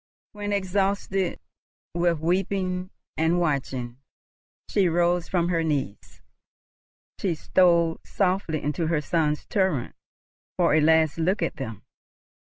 When, exhausted with weeping and watching, she rose from her knees, she stole softly into her sons' turret for a last look at them.